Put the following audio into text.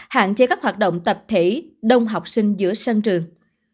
hạn chế các hoạt động tập thể đông học sinh giữa sân trường